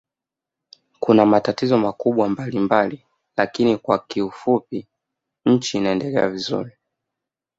Kuna matatizo makubwa mbalimbali lakini kwa kifupui nchi inaendelea vizuri